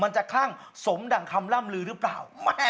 มันจะคลั่งสมดั่งคำล่ำลือหรือเปล่า